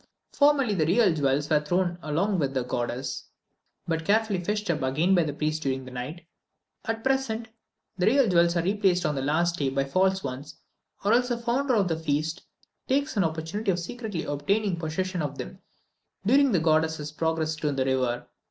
Formerly, the real jewels were thrown in along with the goddess, but carefully fished up again by the priests during the night; at present, the real jewels are replaced on the last day by false ones, or else the founder of the feast takes an opportunity of secretly obtaining possession of them during the goddess's progress to the river.